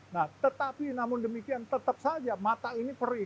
nah tetapi namun demikian tetap saja mata ini perih